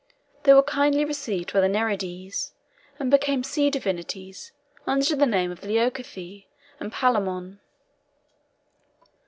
They were kindly received by the Nereides, and became sea divinities under the name of Leucothea and Palæmon.